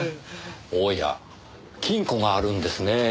おや金庫があるんですねぇ。